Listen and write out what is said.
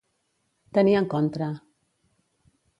Tenir en contra.